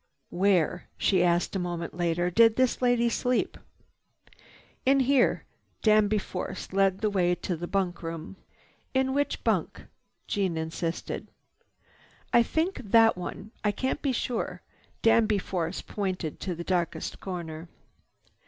"Where," she asked a moment later, "did this lady sleep?" "In here." Danby Force led the way to the bunk room. "In which bunk?" Jeanne insisted. "I think that one. I can't be sure." Danby Force pointed to the darkest corner.